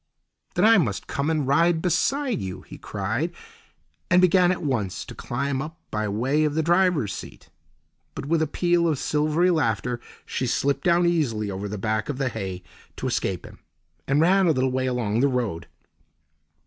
"Then I must come and ride beside you," he cried, and began at once to climb up by way of the driver's seat. But, with a peal of silvery laughter, she slipped down easily over the back of the hay to escape him, and ran a little way along the road.